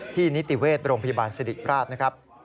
ที่นิติเวศโรงพิบาลศิริปราชนะครับ